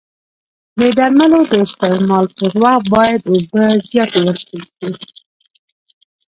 د درملو د استعمال پر وخت باید اوبه زیاتې وڅښل شي.